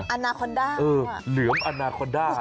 อาณาคอนด้าหรือเปล่าฮะอืมเหลืออาณาคอนด้า